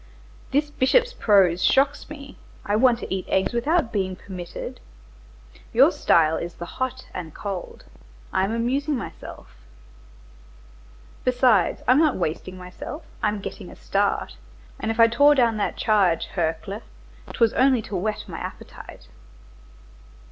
"This bishop's prose shocks me; I want to eat eggs without being permitted. Your style is the hot and cold; I am amusing myself. Besides, I'm not wasting myself, I'm getting a start; and if I tore down that charge, Hercle! 'twas only to whet my appetite."